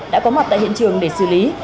đã có mặt tại hiện trường để xử lý